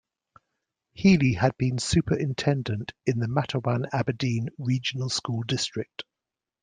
Healy had been superintendent in the Matawan-Aberdeen Regional School District.